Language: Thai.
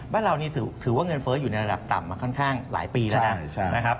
บ้านเรานี่ถือว่าเงินเฟ้ออยู่ในระดับต่ำมาค่อนข้างหลายปีแล้วนะครับ